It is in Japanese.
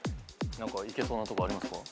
いけそうなとこありますか？